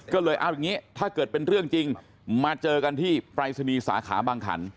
ก็เลยเอาอย่างนี้ถ้าเกิดเป็นเรื่องจริงมาเจอกันที่ปรายศนีย์สาขาบางขัน